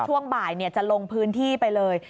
ช่วงบ่ายจะลงพื้นที่ไปเลย